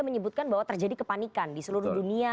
menyebutkan bahwa terjadi kepanikan di seluruh dunia